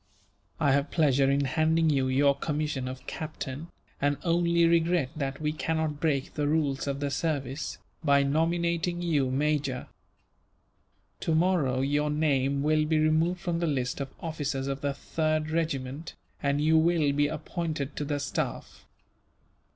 "I have pleasure in handing you your commission of captain, and only regret that we cannot break the rules of the service, by nominating you major. Tomorrow your name will be removed from the list of officers of the 3rd Regiment, and you will be appointed to the staff.